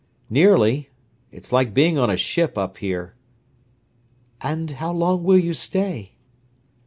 "Nearly. It is like being on a ship up here." "And how long will you stay?"